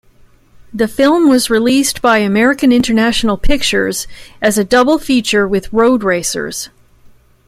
The film was released by American International Pictures as a double feature with "Roadracers".